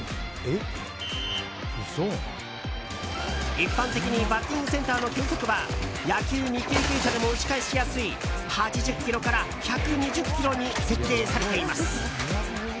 一般的にバッティングセンターの球速は野球未経験者でも打ち返しやすい８０キロから１２０キロに設定されています。